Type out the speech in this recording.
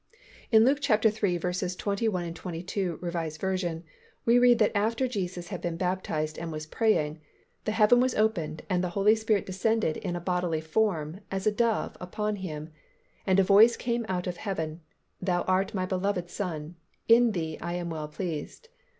In Luke iii. 21, 22, R. V., we read that after Jesus had been baptized and was praying, "The heaven was opened, and the Holy Spirit descended in a bodily form, as a dove, upon Him, and a voice came out of heaven, Thou art My beloved Son; in Thee I am well pleased."